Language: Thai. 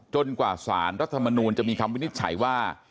กว่าสารรัฐมนูลจะมีคำวินิจฉัยว่า